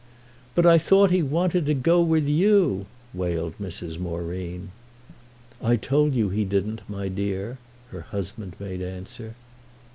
"But I thought he wanted to go to you!", wailed Mrs. Moreen. "I told you he didn't, my dear," her husband made answer.